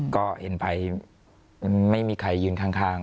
ก็เห็นภัยไม่มีใครยืนข้าง